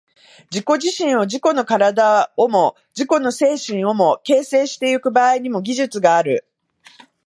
自己自身を、自己の身体をも自己の精神をも、形成してゆく場合にも、技術がある。